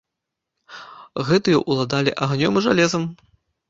Гэтыя ўладалі агнём і жалезам.